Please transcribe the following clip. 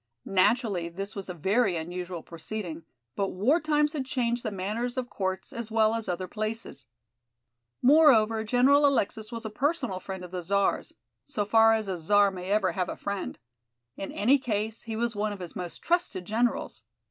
Naturally this was a very unusual proceeding, but war times had changed the manners of courts as well as other places. Moreover, General Alexis was a personal friend of the Czar's, so far as a Czar may ever have a friend. In any case, he was one of his most trusted generals.